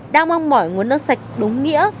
đang mong mỏi nguồn nước sạch đúng nghĩa